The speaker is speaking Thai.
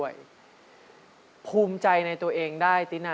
กลับมาฟังเพลง